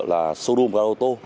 là showroom ô tô